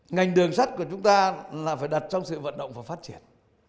ngành đường sắt của chúng ta là phải đặt trong sự vận động và phát triển